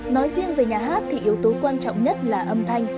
nói riêng về nhà hát thì yếu tố quan trọng nhất là âm thanh